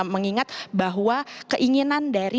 mengingat bahwa keinginan dari